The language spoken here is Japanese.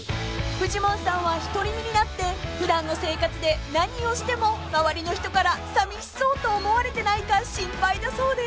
［フジモンさんは独り身になって普段の生活で何をしても周りの人からさみしそうと思われてないか心配だそうで］